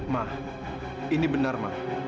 ma ini benar ma